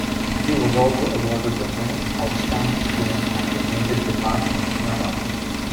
He was also awarded "The Most Outstanding Student of the Music Department" medal.